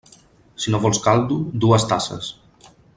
Si no vols caldo, dues tasses.